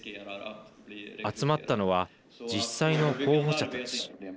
集まったのは実際の候補者たち。